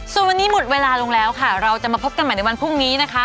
ส่วนวันนี้หมดเวลาลงแล้วค่ะเราจะมาพบกันใหม่ในวันพรุ่งนี้นะคะ